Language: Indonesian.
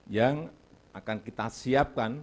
yang akan kita siapkan